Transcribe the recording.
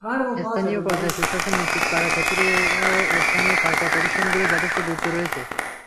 স্থানীয় পর্যায়ে সুশাসন নিশ্চিত করার ক্ষেত্রেও স্থানীয় সরকার প্রতিষ্ঠানগুলোর যথেষ্ট গুরুত্ব রয়েছে।